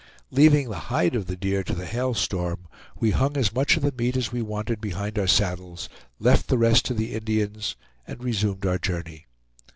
Leaving the hide of the deer to the Hail Storm, we hung as much of the meat as we wanted behind our saddles, left the rest to the Indians, and resumed our journey.